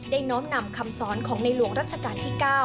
น้อมนำคำสอนของในหลวงรัชกาลที่๙